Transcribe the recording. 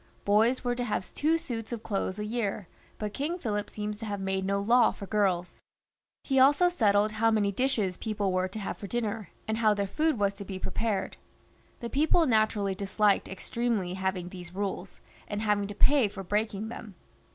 Boys were to have two suits of clothes a year, but King Philip seems to have made no law for girls. He also settled how many dishes people were to have for dinner, and how their food was to be prepared. The people naturally disliked extremely having these rules, and having to pay for breaking them.